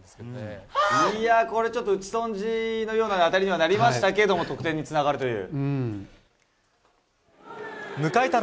いや、これ、ちょっと打ち損じのような当たりにはなりましたけど、得点にはつ迎えた